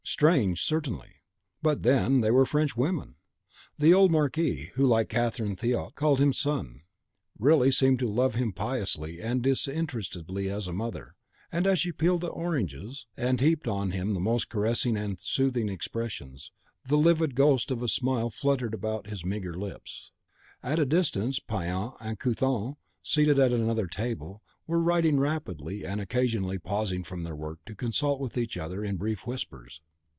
Strange certainly! but then they were French women! The old Marquise, who, like Catherine Theot, called him "son," really seemed to love him piously and disinterestedly as a mother; and as she peeled the oranges, and heaped on him the most caressing and soothing expressions, the livid ghost of a smile fluttered about his meagre lips. At a distance, Payan and Couthon, seated at another table, were writing rapidly, and occasionally pausing from their work to consult with each other in brief whispers.